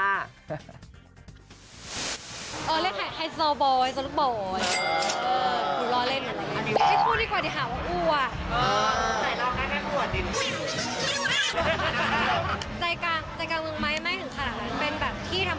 เออเรียกไฮโซบอลไฮโซลูกบอล